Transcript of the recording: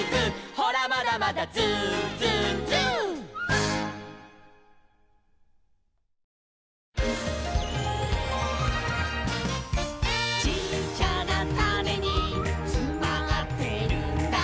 「ほらまだまだＺｏｏＺｏｏＺｏｏ」「ちっちゃなタネにつまってるんだ」